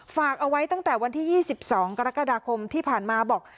ฝากเอาไว้ตั้งแต่วันที่๒๒กรกฎาคมที่ผ่านมาบอก